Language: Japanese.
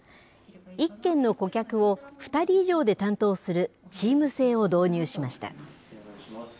１件の顧客を２人以上で担当するチーム制を導入しました。